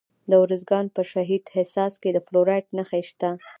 د ارزګان په شهید حساس کې د فلورایټ نښې شته.